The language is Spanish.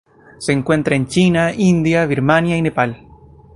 Se encuentra en China, India, Birmania y Nepal.